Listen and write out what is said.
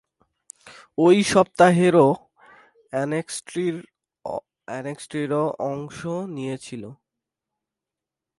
ঐ সপ্তাহেই র এনএক্সটি-র অংশও নিয়েছিলেন।